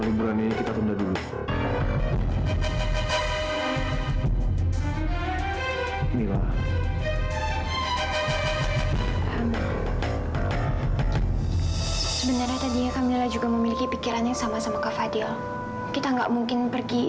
sebenarnya tadi juga memiliki pikiran yang sama sama ke fadil kita nggak mungkin pergi